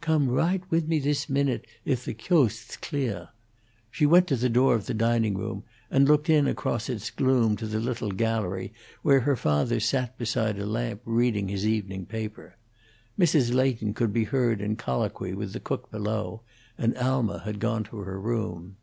"Come raght with me this minute, if the cyoast's clea'." She went to the door of the diningroom and looked in across its gloom to the little gallery where her father sat beside a lamp reading his evening paper; Mrs. Leighton could be heard in colloquy with the cook below, and Alma had gone to her room.